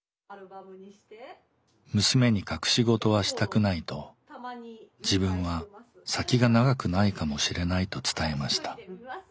娘に隠し事はしたくないと自分は先が長くないかもしれないと伝えました。